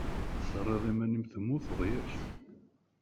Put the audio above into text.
Terriḍ iman-im temmuteḍ yak?